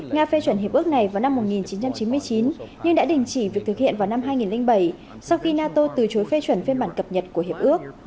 nga phê chuẩn hiệp ước này vào năm một nghìn chín trăm chín mươi chín nhưng đã đình chỉ việc thực hiện vào năm hai nghìn bảy sau khi nato từ chối phê chuẩn phiên bản cập nhật của hiệp ước